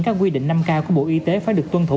các quy định năm k của bộ y tế phải được tuân thủ